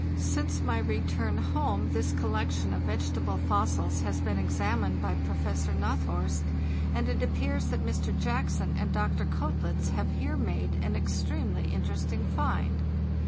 Since my return home this collection of vegetable fossils has been examined by Professor Na thorst, and it appears that Mr. Jackson and Dr. Koetlitz have here made an extremely interesting find.